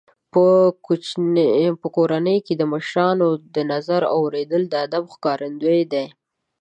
په کورنۍ کې د مشرانو د نظر اورېدل د ادب ښکارندوی دی.